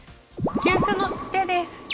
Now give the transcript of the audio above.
急所のツケです。